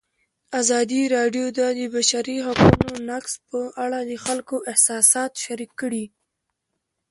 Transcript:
ازادي راډیو د د بشري حقونو نقض په اړه د خلکو احساسات شریک کړي.